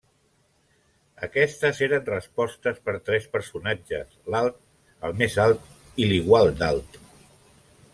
Aquestes eren respostes per tres personatges: l'alt, el més alt i l'igual d'alt.